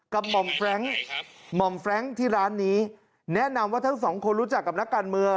หม่อมแฟรงค์หม่อมแฟรงค์ที่ร้านนี้แนะนำว่าทั้งสองคนรู้จักกับนักการเมือง